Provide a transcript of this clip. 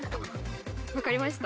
分かりました。